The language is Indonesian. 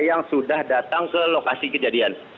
yang sudah datang ke lokasi kejadian